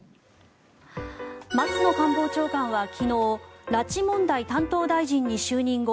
松野官房長官は昨日拉致問題担当大臣に就任後